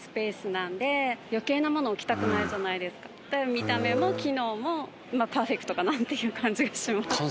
見た目も機能もパーフェクトかなっていう感じがします。